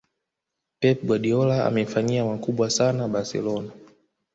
pep guardiola amefanyia makubwa sana barcelona